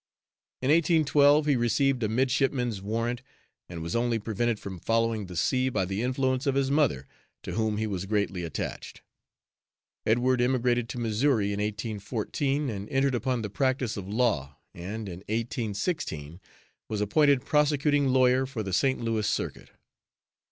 In 1812, he received a midshipman's warrant, and was only prevented from following the sea by the influence of his mother, to whom he was greatly attached. Edward emigrated to Missouri in 1814, and entered upon the practice of law, and, in 1816, was appointed prosecuting lawyer for the St. Louis Circuit.